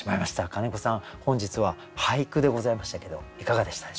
金子さん本日は俳句でございましたけどいかがでしたでしょうか？